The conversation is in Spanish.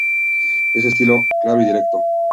El estilo es claro y directo.